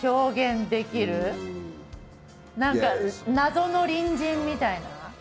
何か謎の隣人みたいな。